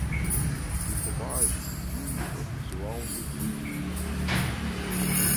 It provides views of the surrounding region.